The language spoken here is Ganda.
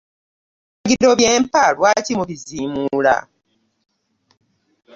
Ebiragiro bye mpa lwaki mubiziimuula?